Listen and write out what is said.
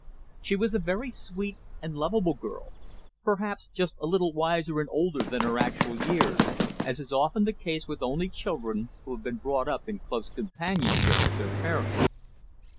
She was a very sweet and lovable girl, perhaps just a little wiser and older than her actual years, as is often the case with only children, who have been brought up in close companionship with their parents.